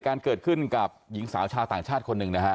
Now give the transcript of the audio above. การเกิดขึ้นกับหญิงสาวชาวต่างชาติคนหนึ่งนะฮะ